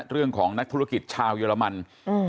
เรื่องของนักธุรกิจชาวเยอรมัน